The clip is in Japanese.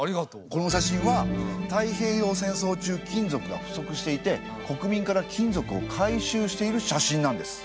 この写真は太平洋戦争中金属が不足していて国民から金属を回収している写真なんです。